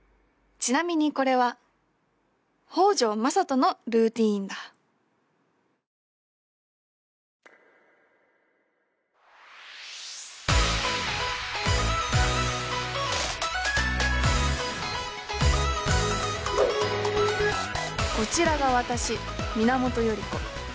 ちなみにこれは北條雅人のルーティンだこちらが私皆本頼子